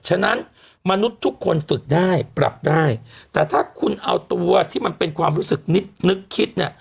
ฉะนั้นมนุษย์ทุกคนฝึกได้ปรับได้แต่ถ้าคุณเอาตัวที่มันเป็นความรู้สึกนิดนึกคิดเนี่ย